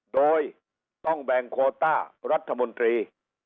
โดยต้องแบ่งโคต้ารัฐมนตรี